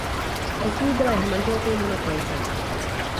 Později byla jeho manželkou Mona Clayton.